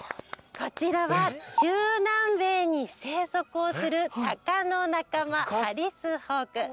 こちらは中南米に生息をするタカの仲間ハリスホーク。